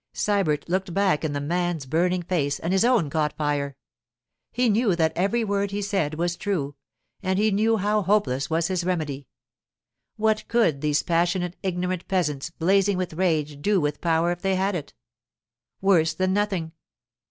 Sybert looked back in the man's burning face, and his own caught fire. He knew that every word he said was true, and he knew how hopeless was his remedy. What could these passionate, ignorant peasants, blazing with rage, do with power if they had it? Worse than nothing.